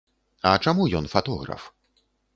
А чаму ён фатограф?